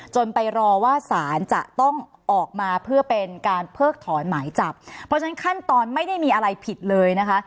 ไปรอว่าสารจะต้องออกมาเพื่อเป็นการเพิกถอนหมายจับเพราะฉะนั้นขั้นตอนไม่ได้มีอะไรผิดเลยนะคะ